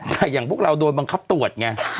แต่อย่างพวกเราโดนบังคับตรวจไง